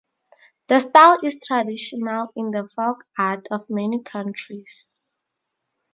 The style is traditional in the folk art of many countries.